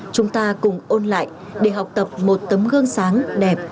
chúng ta cùng ôn lại để học tập một tấm gương sáng đẹp